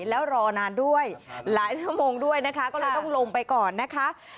แล้วรอนานด้วยหลายชั่วโมงด้วยนะคะก็เลยต้องลงไปก่อนนะคะ